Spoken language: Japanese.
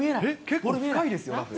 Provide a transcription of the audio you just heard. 結構深いですよ、ラフ。